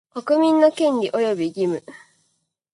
国民の権利及び義務